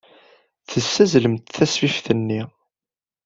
Tessazzlemt tasfift-nni.